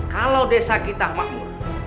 kalau desa kita makmur